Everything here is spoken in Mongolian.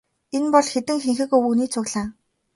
Энэ бол хэдэн хэнхэг өвгөний цуглаан.